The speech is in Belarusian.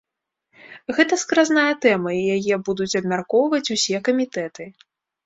Гэта скразная тэма, і яе будуць абмяркоўваць усе камітэты.